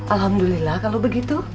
alhamdulillah kalau begitu